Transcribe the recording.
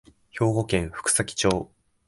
兵庫県福崎町